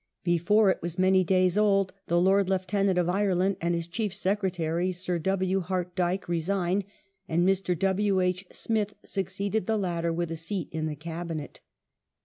I 1901] THE HOME RULE BILL 515 Before it was many days old the Lord Lieutenant of Ireland and his Chief Secretary, Sir W. Hart Dyke, resigned, and Mr. W. H. Smith succeeded the latter, with a seat in the Cabinet.